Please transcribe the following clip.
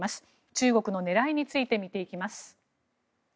中国の狙いについて見ていきます。